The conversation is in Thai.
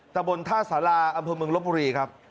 ตะบนท่าสาราอำเภอเมืองลบบุรีครับ